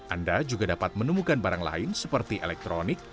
anda juga dapat menemukan barang lain seperti elektronik